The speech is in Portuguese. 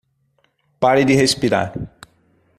Pare de respirar